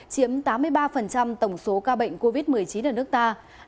chiếm tám mươi ba tổng số ca bệnh covid một mươi chín ở nước ta